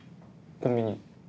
コンビニ？